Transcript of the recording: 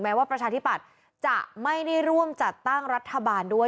ว่าประชาธิปัตย์จะไม่ได้ร่วมจัดตั้งรัฐบาลด้วย